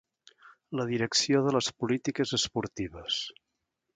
La direcció de les polítiques esportives.